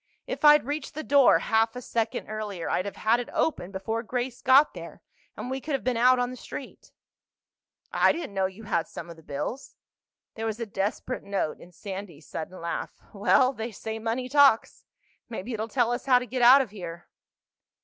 If I'd reached the door half a second earlier I'd have had it open before Grace got there and we could have been out on the street." "I didn't know you had some of the bills." There was a desperate note in Sandy's sudden laugh. "Well, they say money talks. Maybe it'll tell us how to get out of here."